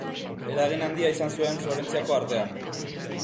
Eragin handia izan zuen Florentziako artean.